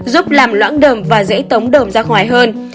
giúp làm loãng đường và dễ tống đờm ra ngoài hơn